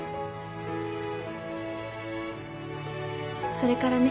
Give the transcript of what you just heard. それからね。